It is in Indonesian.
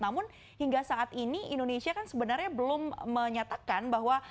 namun hingga saat ini indonesia kan sebenarnya belum menyatakan bahwa